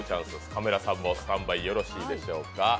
カメラさんもスタンバイよろしいでしょうか。